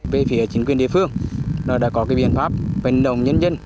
về phía chính quyền địa phương nó đã có biện pháp vận động nhân dân